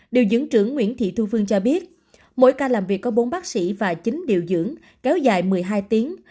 điều dưỡng trưởng nguyễn thị thu phương cho biết mỗi ca làm việc có bốn bác sĩ và chín điều dưỡng kéo dài một mươi hai tiếng